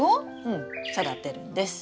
うん育てるんです。